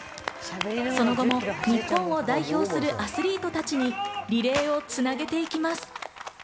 その後も日本代表するアスリートたちにリレーをつないでいきます。